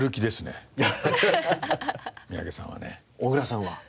小倉さんは？